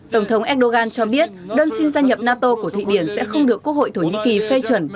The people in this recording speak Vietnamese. tổng thống erdogan cho biết đơn xin gia nhập nato của thụy điển sẽ không được quốc hội thổ nhĩ kỳ phê chuẩn